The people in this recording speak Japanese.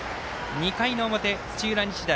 ２回の表、土浦日大。